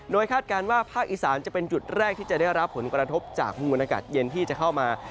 โดยคาดการณ์ว่าภาคอีสานจะเป็นจุดแรกที่จะได้รับผลกระทบจากมูลอากาศเย็นที่จะเข้ามา